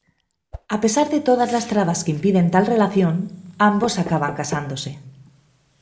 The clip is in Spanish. A pesar de todas las trabas que impiden tal relación, ambos acaban casándose.